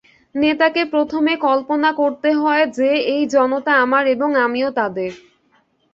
নেতাকে প্রথমে কল্পনা করতে হয় যে এই জনতা আমার এবং আমিও তাদের।